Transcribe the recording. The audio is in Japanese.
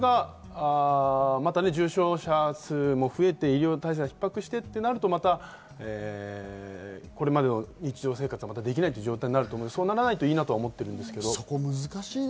また重症者数も増えて医療体制が逼迫してくると、これまでの日常生活ができない状態になるので、そうならないといいなと思ってるんですけど。